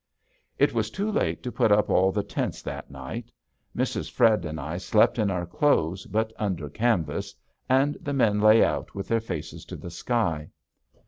It was too late to put up all the tents that night. Mrs. Fred and I slept in our clothes but under canvas, and the men lay out with their faces to the sky.